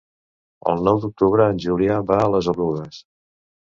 El nou d'octubre en Julià va a les Oluges.